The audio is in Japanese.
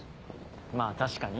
まぁ確かに。